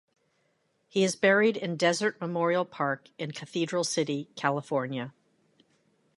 He is buried in Desert Memorial Park in Cathedral City, California.